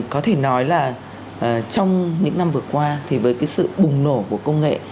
có thể nói là trong những năm vừa qua thì với cái sự bùng nổ của công nghệ